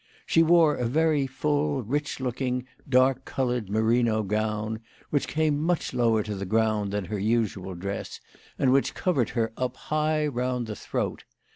She wore a very full, rich looking, dark coloured merino gown, which came much lower to the ground than her usual dress, and which covered her up high round the throat.